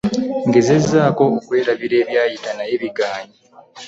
Ngezezaako okwerabira ebyayita naye biganye.